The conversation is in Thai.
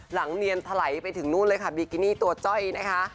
เนียนถลายไปถึงนู่นเลยค่ะบิกินี่ตัวจ้อยนะคะ